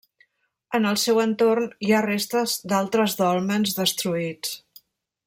En el seu entorn hi ha restes d'altres dòlmens destruïts.